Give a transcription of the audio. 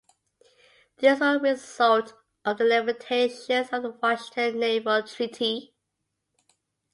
These were a result of the limitations of the Washington Naval Treaty.